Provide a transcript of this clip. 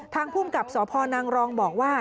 ทางภูมิกับสพนรองบอกว่า